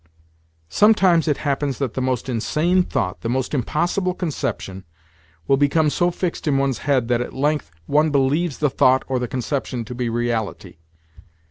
Sometimes it happens that the most insane thought, the most impossible conception, will become so fixed in one's head that at length one believes the thought or the conception to be reality.